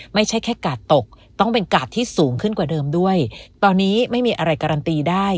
ไม่ใช่แค่กาดตกต้องเป็นกาดที่สูงขึ้นกว่าเดิมด้วยตอนนี้ไม่มีอะไรการันตีได้